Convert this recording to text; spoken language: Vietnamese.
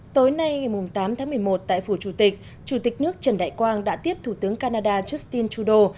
tối nay ngày tám tháng một mươi một tại phủ chủ tịch chủ tịch nước trần đại quang đã tiếp thủ tướng canada justin trudeau